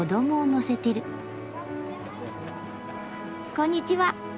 こんにちは。